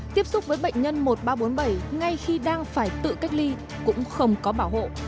tiếp xúc với bệnh nhân một nghìn ba trăm bốn mươi bảy ngay khi đang phải tự cách ly cũng không có bảo hộ